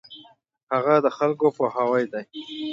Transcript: هغه د خلکو پوهاوی دی.